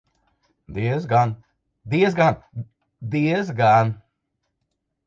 Diezgan, diezgan, diezgan!